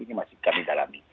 ini masih kami dalam